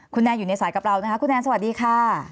คุณแนนอยู่ในสายกับเรานะคะคุณแนนสวัสดีค่ะ